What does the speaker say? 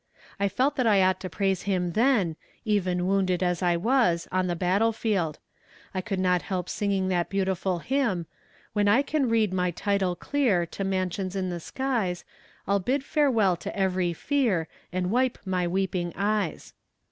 I felt that I ought to praise Him then, even wounded as I was, on the battle field. I could not help singing that beautiful hymn "'When I can read my title clear To mansions in the skies, I'll bid farewell to every fear, And wipe my weeping eyes.'